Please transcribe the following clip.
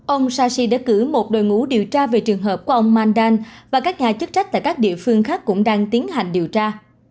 ông sashi đã cử một đội ngũ điều tra về trường hợp của ông mandan và các nhà chức trách tại các địa phương khác cũng đang tiến hành điều tra